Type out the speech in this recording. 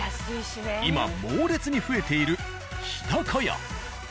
今猛烈に増えている「日高屋」。